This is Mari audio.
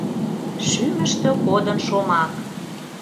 Шӱмыштӧ кодын шомак.